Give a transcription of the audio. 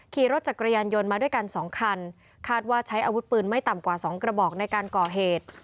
ขี่รถจักรยานยนต์มาด้วยกันสองคันคาดว่าใช้อาวุธปืนไม่ต่ำกว่าสองกระบอกในการก่อเหตุ